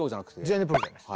全然プロじゃない。